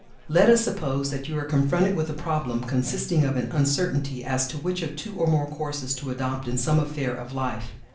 Let us suppose that you are confronted with a problem consisting of an uncertainty as to which of two or more courses to adopt in some affair of life.